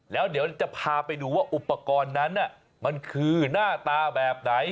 แล้วเดี๋ยวจะพาไปดูว่าอุปกรณ์นั้นมันคือหน้าตาแบบไหน